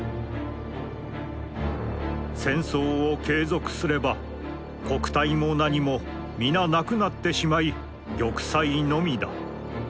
戦争を継続すれば国体も何も皆なくなつてしまひ玉砕のみだ」。